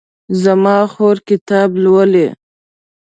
زما خور کتاب لولي